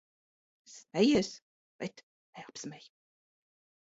Smejies, bet neapsmej.